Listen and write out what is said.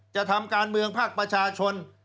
จะทำการเมืองภาคประชาชน